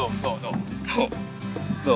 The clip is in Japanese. どう？